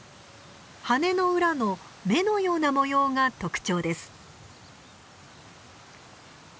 羽の裏の目のような模様が特徴です。